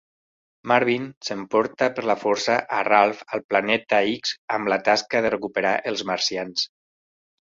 Marvin s'en porta per la força a Ralph al Planeta X amb la tasca de recuperar els marcians.